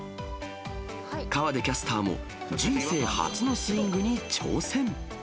河出キャスターも人生初のスイングに挑戦。